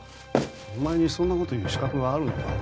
お前にそんな事を言う資格があるのか？